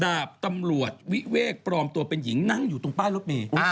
ดาบตำรวจวิเวกปลอมตัวเป็นหญิงนั่งอยู่ตรงป้ายรถเมย์